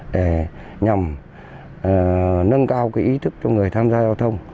để nhằm nâng cao ý thức cho người tham gia giao thông